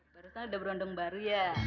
barusan udah berondong baru ya